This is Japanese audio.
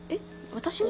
私に？